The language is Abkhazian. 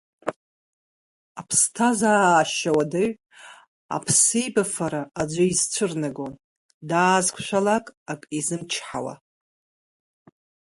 Аԥсҭазаашьа уадаҩ аԥсеибафара аӡәы изцәырнагон, даазықәшәалак ак изымчҳауа.